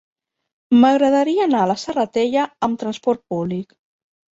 M'agradaria anar a la Serratella amb transport públic.